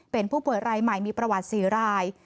เป็นผู้ป่วยรายใหม่มีประวัติ๔ราย